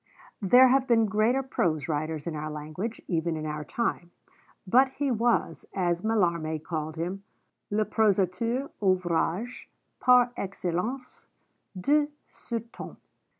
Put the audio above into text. There have been greater prose writers in our language, even in our time; but he was, as Mallarmé called him, 'le prosateur ouvragé par excellence de ce temps.'